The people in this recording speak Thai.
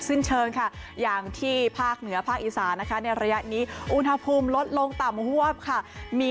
เชิญค่ะอย่างที่ภาคเหนือภาคอีสานนะคะในระยะนี้อุณหภูมิลดลงต่ำฮวบค่ะมี